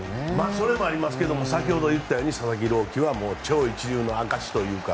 それもありますけど先ほども言ったように佐々木朗希は超一流の証しというか。